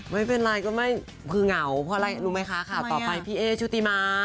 ไม่เป็นไรก็ไม่คือเหงาเพราะอะไรรู้ไหมคะข่าวต่อไปพี่เอ๊ชุติมา